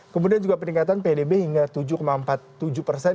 kemudian juga peningkatan pdb hingga tujuh empat puluh tujuh persen